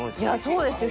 そうですよ。